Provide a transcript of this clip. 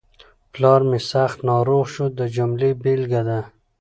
پلار مې سخت ناروغ شو د جملې بېلګه ده.